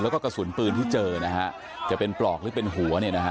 แล้วก็กระสุนปืนที่เจอจะเป็นปลอกหรือเป็นหัว